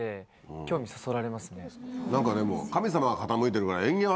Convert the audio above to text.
何かでも。